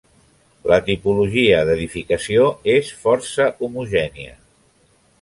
La tipologia d'edificació és força homogènia.